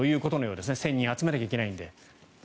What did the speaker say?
１０００人集めなきゃいけないので。